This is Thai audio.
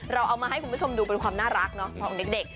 เราเอามาให้คุณผู้ชมดูเป็นความน่ารักเนาะของเด็ก